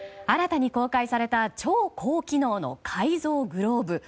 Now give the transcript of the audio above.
新たに公開された超高機能の改造グローブ。